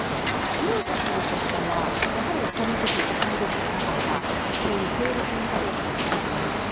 重視することはやはりそのとき、お買い得かセール品かどうか結構見ますね。